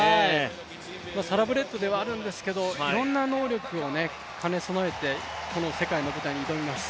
サラブレッドではあるんですけどいろんな能力を兼ね備えて、この世界の舞台に挑みます。